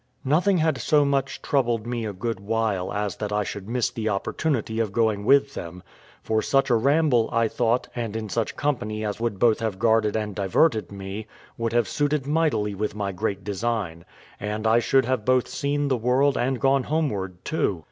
Nothing had so much troubled me a good while as that I should miss the opportunity of going with them; for such a ramble, I thought, and in such company as would both have guarded and diverted me, would have suited mightily with my great design; and I should have both seen the world and gone homeward too.